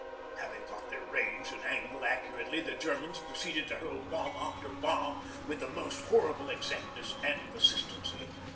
Having got their range and angle accurately, the Germans proceeded to hurl bomb after bomb with the most horrible exactness and persistency.